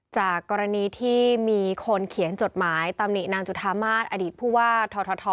จากกรณีที่มีคนเขียนจดหมายตำหนินางจุธามาศอดีตผู้ว่าทท